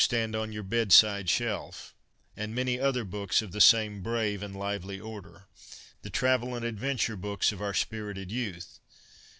stand on your bedside shelf, and many other books of the same brave and lively order —' the travel and adventure books of our spirited youth.'